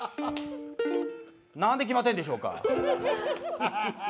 なんで決まってるんでしょうか？